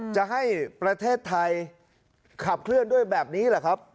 จะให้ประเทศไทยขับเคลื่อนด้วยแบบนี้แหละครับ